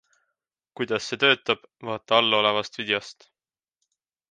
Kuidas see töötab, vaata allolevast videost.